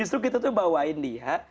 justru kita tuh bawain dia